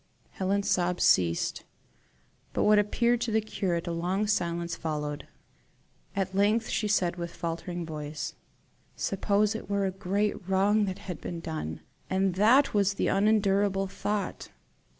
Helen's sobs ceased, but what appeared to the curate a long silence followed. At length she said, with faltering voice: "Suppose it were a great wrong that had been done, and that was the unendurable thought?